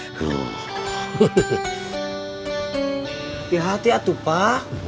tunggu sebentar ya pak